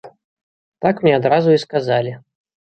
Так мне адразу і сказалі.